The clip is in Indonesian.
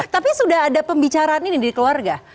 tapi sudah ada pembicaraan ini di keluarga